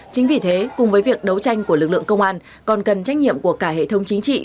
chính vì thế cùng với việc đấu tranh của lực lượng công an còn cần trách nhiệm của cả hệ thống chính trị